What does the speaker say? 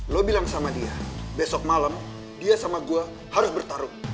lo bilang sama dia besok malam dia sama gue harus bertarung